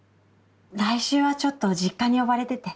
来週はちょっと実家に呼ばれてて。